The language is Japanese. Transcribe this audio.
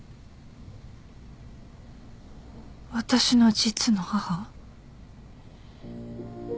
私の実の母？